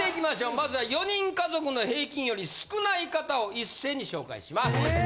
まずは４人家族の平均より少ない方を一斉に紹介します。